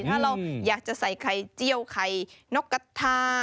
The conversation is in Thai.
ถ้าเราอยากจะใส่ไข่เจียวไข่นกกระทา